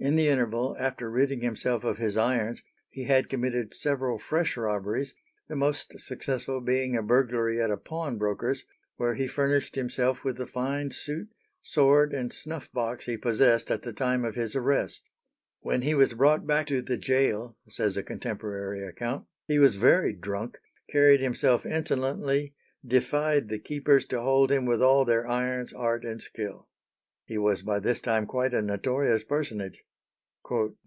In the interval, after ridding himself of his irons, he had committed several fresh robberies, the most successful being a burglary at a pawnbroker's, where he furnished himself with the fine suit, sword, and snuff box he possessed at the time of his arrest. "When he was brought back to the gaol," says a contemporary account, "he was very drunk, carry'd himself insolently, defy'd the keepers to hold him with all their irons, art, and skill." He was by this time quite a notorious personage.